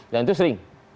dan itu sering